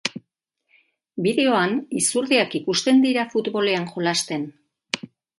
Bideoan, izurdeak ikusten dira, futbolean jolasten.